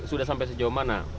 sudah sampai sejauh mana